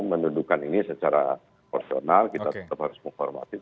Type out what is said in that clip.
menundukkan ini secara personal kita tetap harus menghormati